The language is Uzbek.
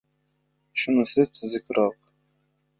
Shunisi tuzukroq…